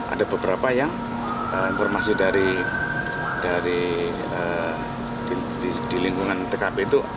ada beberapa yang informasi dari di lingkungan tkp itu